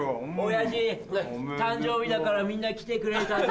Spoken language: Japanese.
親父誕生日だからみんな来てくれたぞ。